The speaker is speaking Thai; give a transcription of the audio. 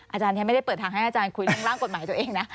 อาจารย์ยังไม่ได้เปิดทางให้อาจารย์คุยเรื่องร่างกฎหมายตัวเองนะ